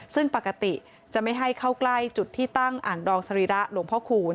ซึ่งปกติจะไม่ให้เข้าใกล้จุดที่ตั้งอ่างดองสรีระหลวงพ่อคูณ